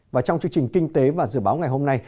và trong chương trình kinh tế và dự báo của trung quốc